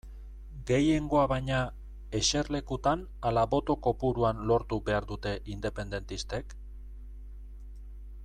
Gehiengoa baina, eserlekutan ala boto kopuruan lortu behar dute independentistek?